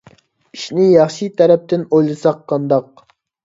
ئىشنى ياخشى تەرەپتىن ئويلىساق قانداق؟